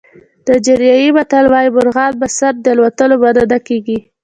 نایجریایي متل وایي مرغان په سر د الوتلو منع نه کېږي.